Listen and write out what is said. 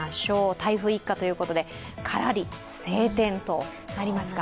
台風一過ということで、カラリ晴天となりますか？